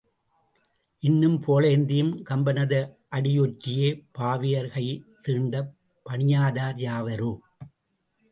இன்னும் புகழேந்தியும் கம்பனது அடி ஒற்றியே, பாவையர் கை தீண்டப் பணியாதார் யாவரே?